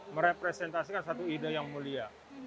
merepresentasikan satu ide yang mulia